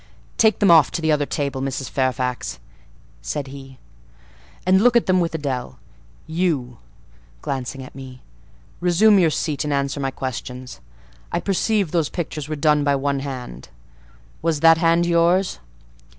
"Take them off to the other table, Mrs. Fairfax," said he, "and look at them with Adèle;—you" (glancing at me) "resume your seat, and answer my questions. I perceive those pictures were done by one hand: was that hand yours?"